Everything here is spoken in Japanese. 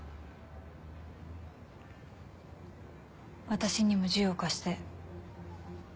私にも銃を貸して。